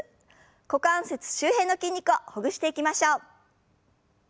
股関節周辺の筋肉をほぐしていきましょう。